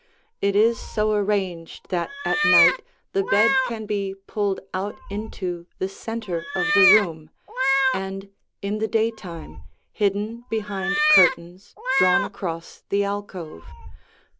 It is so arranged that at night the bed can be pulled out into the center of the room, and in the daytime hidden behind curtains drawn across the alcove.